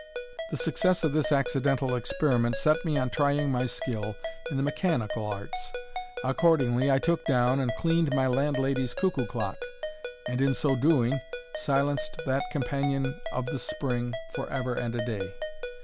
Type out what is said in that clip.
The success of this accidental experiment set me on trying my skill in the mechanical arts. Accordingly I took down and cleaned my landlady's cuckoo clock, and in so doing, silenced that companion of the spring for ever and a day.